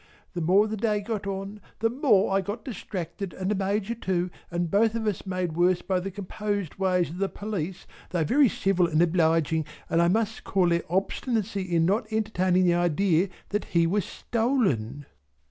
The more the day got on, the more I got distracted and the Major too and both of us made worse by the composed ways of the police though very civil and obliging and what I must call their obstinacy in not entertaining the idea that he was stolen.